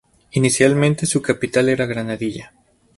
Inicialmente, su capital era Granadilla.